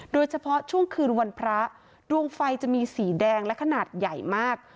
โดยเฉพาะช่วงคืนวันพระดวงไฟจะมีสีแดงและขนาดใหญ่มาก